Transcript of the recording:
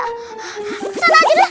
ke sana aja deh